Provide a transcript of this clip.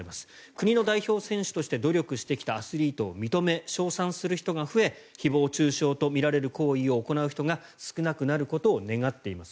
国の代表選手として努力してきたアスリートを認め称賛する人が増え誹謗・中傷とみられる行為を行う人が少なくなることを願っています。